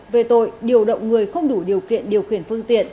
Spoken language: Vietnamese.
về tội điều động người không đủ điều kiện điều khiển phương tiện